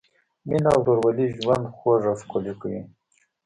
مینه او ورورولي ژوند خوږ او ښکلی کوي.